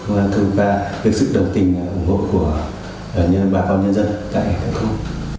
công an thường qua việc sự đồng tình ủng hộ của bà phòng nhân dân tại các thôn